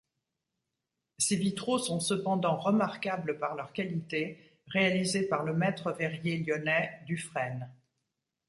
Ses vitraux sont cependant remarquables par leur qualité, réalisés par le maître-verrier lyonnais Dufrêne.